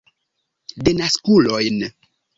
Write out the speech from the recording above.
Denaskulojn!